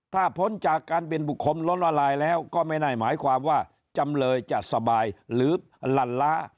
ถ้าพ้นจากการเป็นบุคคลล้นละลายแล้วก็ไม่ได้หมายความว่าจำเลยจะสบายหรือหลั่นล้า